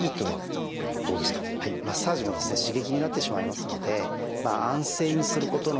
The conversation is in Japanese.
もう一つマッサージも刺激になってしまいますので安静にすることの真逆ですよね。